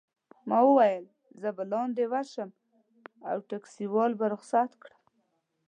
ما وویل: زه به لاندي ورشم او ټکسي والا به رخصت کړم.